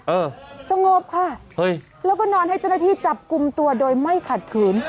เออสงบค่ะเฮ้ยแล้วก็นอนให้เจ้าหน้าที่จับกลุ่มตัวโดยไม่ขัดขืน